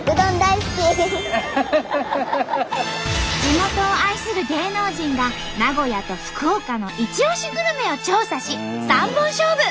地元を愛する芸能人が名古屋と福岡のいちおしグルメを調査し３本勝負！